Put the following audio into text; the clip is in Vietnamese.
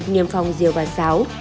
niêm phong diều và xáo